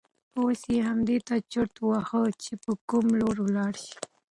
اوس یې همدې ته چرت واهه چې په کوم لور ولاړ شي.